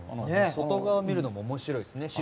外側を見るのも面白いですね。